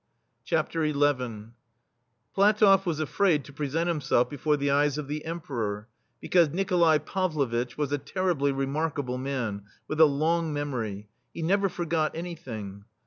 XI Platoff was afraid to present himself before the eyes of the Emperor, be cause Nikolai Pavlovitch was a terribly remarkable man, with a long memory — he never forgot anything.